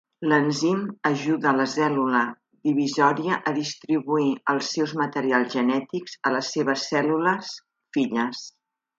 L'enzim ajuda la cèl·lula divisòria a distribuir els seus materials genètics a les seves cèl·lules filles.